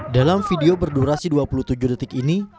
dalam video berdurasi dua puluh tujuh detik ini